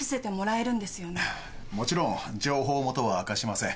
もちろん情報元は明かしません。